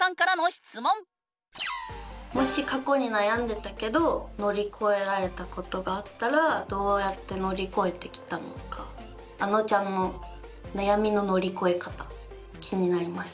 もし過去に悩んでたけど乗り越えられたことがあったらどうやって乗り越えてきたのかあのちゃんの悩みの乗り越え方気になります。